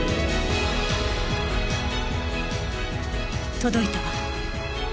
届いたわ。